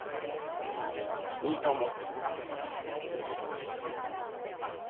いいと思う。